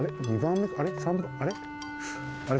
あれ？